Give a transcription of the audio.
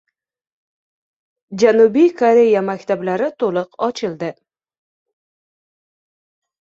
Janubiy Koreya maktablari to‘liq ochildi